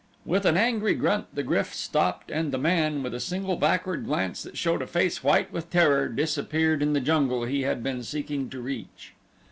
With an angry grunt the GRYF stopped and the man, with a single backward glance that showed a face white with terror, disappeared in the jungle he had been seeking to reach.